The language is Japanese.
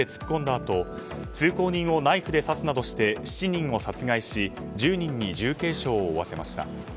あと通行人をナイフで刺すなどして７人を殺害し１０人に重軽傷を負わせました。